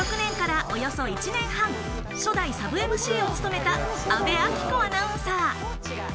２００６年からおよそ１年半、初代・サブＭＣを務めた阿部哲子アナウンサー。